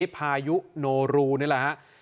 พายุโนรูนี่แหละฮะ